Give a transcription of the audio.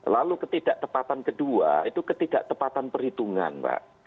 lalu ketidaktepatan kedua itu ketidaktepatan perhitungan mbak